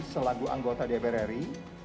selagu anggota dprri